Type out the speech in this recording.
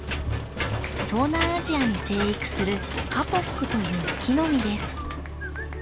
東南アジアに生育するカポックという木の実です。